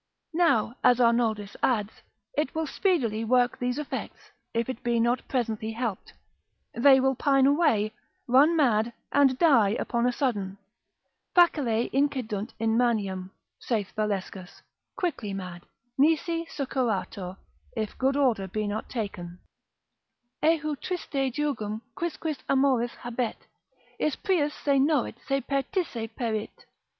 Now, as Arnoldus adds, it will speedily work these effects, if it be not presently helped; They will pine away, run mad, and die upon a sudden; Facile incidunt in maniam, saith Valescus, quickly mad, nisi succurratur, if good order be not taken, Ehou triste jugum quisquis amoris habet, Is prius se norit se periisse perit.